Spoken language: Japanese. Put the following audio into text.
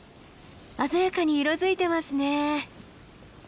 鮮やかに色づいてますね。